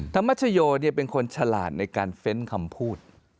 ธรรมชโยเป็นคนฉลาดในการเฟ้นคำพูด